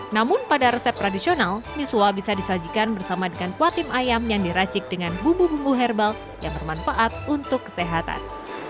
namun pada resep tradisional misua bisa disajikan bersama dengan kuatim ayam yang diracik dengan bumbu bumbu herbal yang bermanfaat untuk kesehatan